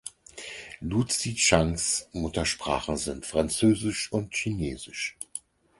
Lucie Zhangs Muttersprachen sind Französisch und Chinesisch.